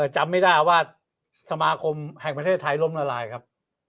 จำไม่ได้ว่าสมาคมแห่งประเทศไทยล้มละลายครับ